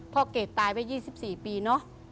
พ่อเกรดตายไว้๒๔ปีเนาะ